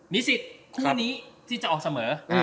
มีสิทธิ์คู่นี้ที่จะออกเสมอ